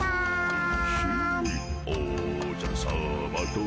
「おじゃるさまと」